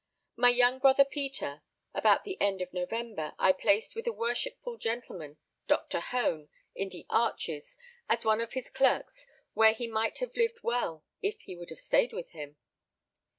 My young brother Peter, about the end of November, I placed with a worshipful gentleman, Doctor Hone, in the Arches, as one of his clerks, where he might have lived well if he would have stayed with him.